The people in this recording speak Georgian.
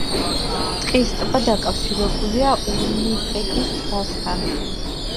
ტყის ტბა დაკავშირებულია უინიპეგის ტბასთან.